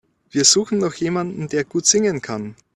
Wir suchen noch jemanden, der gut singen kann.